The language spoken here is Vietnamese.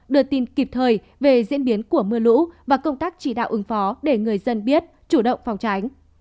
đưa tin kịp thời về diễn biến của mưa lũ và công tác chỉ đạo ứng phó để người dân biết chủ động phòng tránh